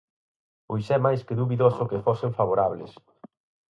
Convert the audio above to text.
Pois é máis que dubidoso que fosen favorables.